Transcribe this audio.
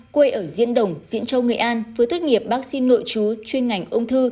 quê ở diễn đồng diễn châu nghệ an vừa tuyết nghiệp bác sĩ nội chú chuyên ngành ông thư